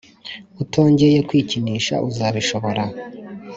utongeye kwikinisha uzabishobora